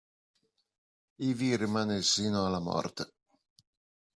Ivi rimase sino alla morte.